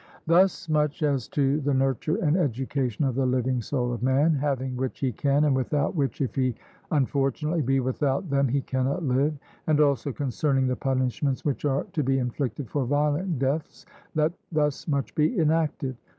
Thus much as to the nurture and education of the living soul of man, having which, he can, and without which, if he unfortunately be without them, he cannot live; and also concerning the punishments which are to be inflicted for violent deaths, let thus much be enacted.